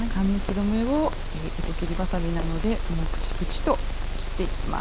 止めを糸切りばさみなどでプチプチと切っていきます。